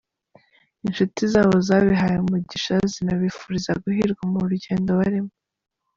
Inshuti zabo zabihaye umugisha zinabifuriza guhirwa mu rugendo barimo.